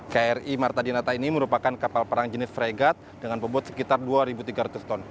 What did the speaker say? kri marta dinata ini merupakan kapal perang jenis fregat dengan bobot sekitar dua tiga ratus ton